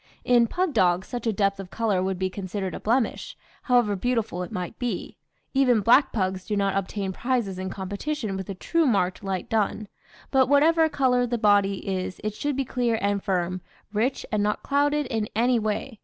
In pug dogs such a depth of colour would be considered a blemish, however beautiful it might be; even black pugs do not obtain prizes in competition with a true marked light dun; but whatever colour the body is it should be clear and firm, rich and not clouded in any way.